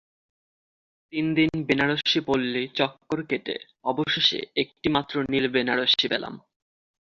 তিন দিন বেনারসি পল্লি চক্কর কেটে অবশেষে একটি মাত্র নীল বেনারসি পেলাম।